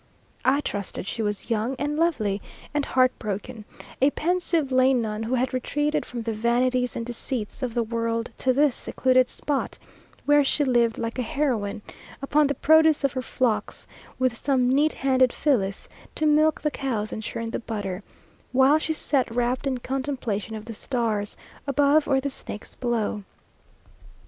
I trusted she was young, and lovely, and heart broken; a pensive lay nun who had retreated from the vanities and deceits of the world to this secluded spot, where she lived like a heroine upon the produce of her flocks, with some "neat handed Phillis," to milk the cows and churn the butter, while she sat rapt in contemplation of the stars above or the snakes below.